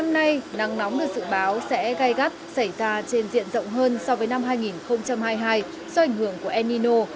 năm nay nắng nóng được dự báo sẽ gai gắt xảy ra trên diện rộng hơn so với năm hai nghìn hai mươi hai do ảnh hưởng của enino